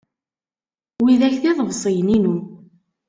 Widak d iḍebsiyen-inu.